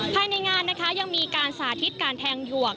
ภายในงานนะคะยังมีการสาธิตการแทงหยวก